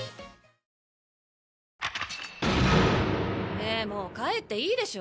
ねえもう帰っていいでしょ？